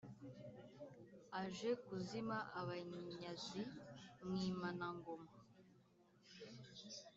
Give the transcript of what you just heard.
aje kuzima abanyazi mwimana-ngoma